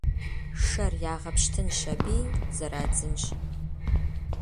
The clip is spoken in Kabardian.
Шэр ягъэпщтынщ аби зэрадзынщ.